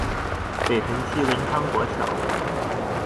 北屯區文昌國小